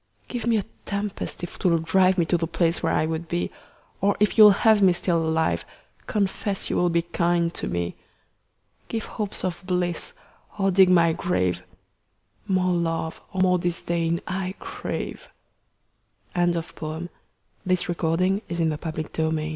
Give me a tempest if 'twill drive Me to the place where I would be; Or if you'll have me still alive, Confess you will be kind to me. 10 Give hopes of bliss or dig my grave: More love or more disdain I crave. Contents BIBLIOGRAPHIC RECORD Previous Article Ne